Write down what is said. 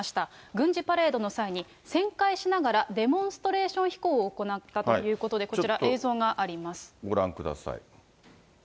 軍事パレードの際に、旋回しながらデモンストレーション飛行を行ったということで、こご覧ください。